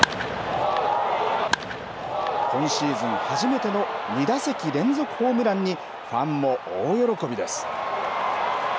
今シーズン初めての２打席連続ホームランにファンも大喜びです。